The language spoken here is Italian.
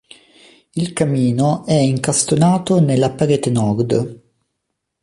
Il camino è incastonato nella parete nord.